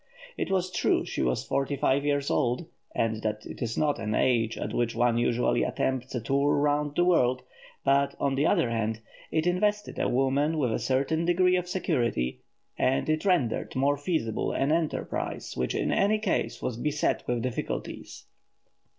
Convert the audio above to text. It was true she was forty five years old, and that is not an age at which one usually attempts a tour round the world; but, on the other hand, it invested a woman with a certain degree of security, and it rendered more feasible an enterprise which in any case was beset with difficulties.